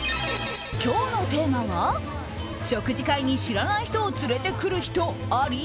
今日のテーマは食事会に知らない人を連れてくる人あり？